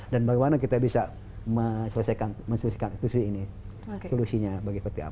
dan bagaimana kita bisa menjelaskan solusinya bagaimana